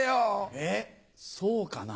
えっそうかな。